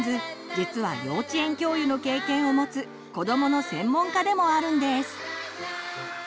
実は幼稚園教諭の経験をもつ子どもの専門家でもあるんです。